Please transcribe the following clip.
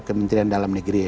kementerian dalam negeri